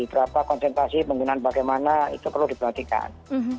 berapa konsentrasi penggunaan bagaimana itu perlu diperhatikan